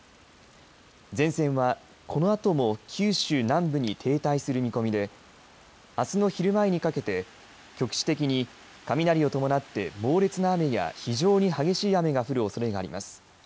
前線は、このあとも九州南部に停滞する見込みであすの昼前にかけて局地的に雷を伴って猛烈な雨や非常に激しい雨が降るおそれがあります。